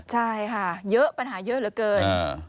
ใช่ค่ะเยอะปัญหาเยอะเหลือเกิน